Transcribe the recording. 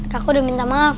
kakak udah minta maaf